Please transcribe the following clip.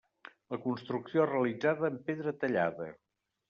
La construcció realitzada amb pedra tallada.